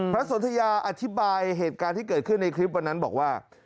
สนทยาอธิบายเหตุการณ์ที่เกิดขึ้นในคลิปวันนั้นบอกว่า